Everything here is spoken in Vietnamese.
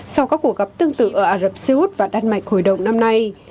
sau các cuộc gặp tương tự ở ả rập xê út và đan mạch hồi đầu năm nay